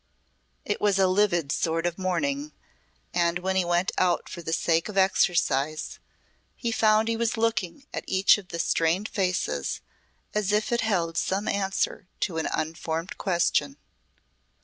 It was a livid sort of morning and when he went out for the sake of exercise he found he was looking at each of the strained faces as if it held some answer to an unformed question.